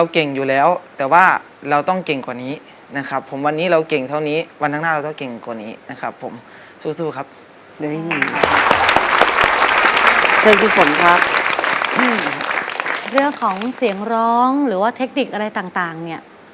เชิญพี่ฝนครับเรื่องของเสียงร้องหรือว่าเทคนิคอะไรต่างต่างเนี้ย